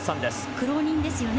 苦労人ですよね。